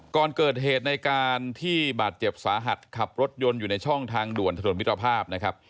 ก่อนเกิดเหตุในการที่บาดเจ็บสาหัสขับรถยนต์อยู่ในช่องทางด่วนถนนมิตรภาพนะครับ